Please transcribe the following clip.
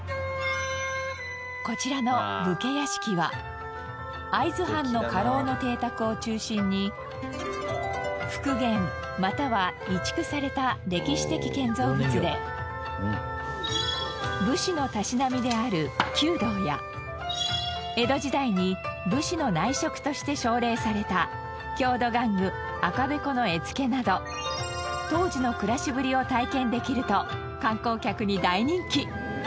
こちらの武家屋敷は会津藩の家老の邸宅を中心に復元または移築された歴史的建造物で武士のたしなみである弓道や江戸時代に武士の内職として奨励された郷土玩具赤べこの絵付けなど当時の暮らしぶりを体験できると観光客に大人気。